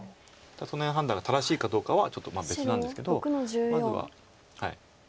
その辺判断が正しいかどうかはちょっと別なんですけどまずは。